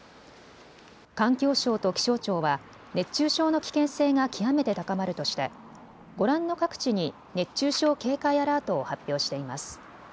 環境省と気象庁は熱中症の危険性が極めて高まるとしてご覧の各地に熱中症警戒アラートを発表しています。